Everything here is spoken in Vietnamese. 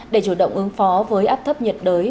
để chủ động ứng phó với áp thấp nhiệt đới